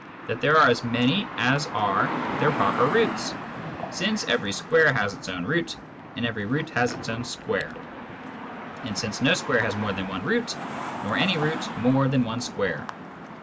That there are as many as are their proper Roots, since every Square has its own Root, and every Root its own Square, and since no Square has more than one Root, nor any Root more than one Square.